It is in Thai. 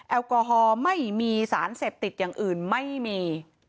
แอลกอฮอล์ไม่มีสารเสพติดอย่างอื่นไม่มี